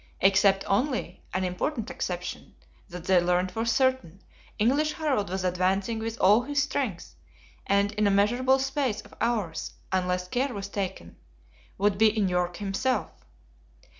Except only (an important exception!) that they learnt for certain, English Harold was advancing with all his strength; and, in a measurable space of hours, unless care were taken, would be in York himself.